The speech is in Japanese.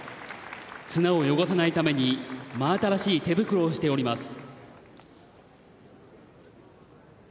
綱を汚さないために真新しい手袋をしております。